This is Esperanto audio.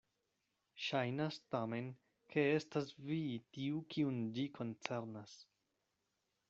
Ŝajnas tamen, ke estas vi tiu, kiun ĝi koncernas.